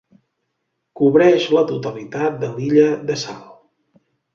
Cobreix la totalitat de l'illa de Sal.